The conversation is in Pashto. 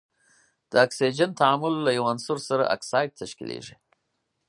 د اکسیجن تعامل له یو عنصر سره اکساید تشکیلیږي.